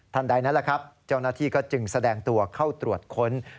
ใดนั้นแหละครับเจ้าหน้าที่ก็จึงแสดงตัวเข้าตรวจค้น